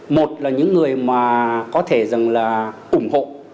một là những người mà có thể rằng là ủng hộ